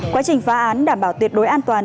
quá trình phá án đảm bảo tuyệt đối an toàn